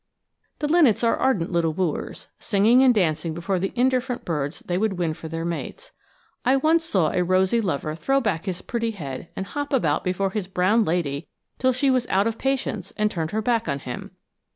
_" The linnets are ardent little wooers, singing and dancing before the indifferent birds they would win for their mates. I once saw a rosy lover throw back his pretty head and hop about before his brown lady till she was out of patience and turned her back on him.